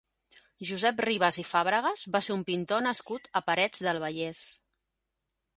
Josep Ribas i Fabregas va ser un pintor nascut a Parets del Vallès.